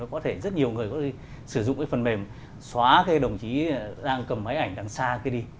có thể rất nhiều người có thể sử dụng cái phần mềm xóa cái đồng chí đang cầm máy ảnh đằng xa cái đi